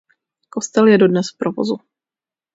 Kostel je dodnes v provozu.